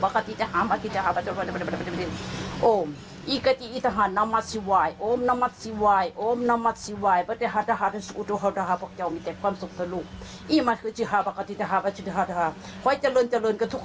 ค่อยเจริญเจริญกับทุกคนเถอะ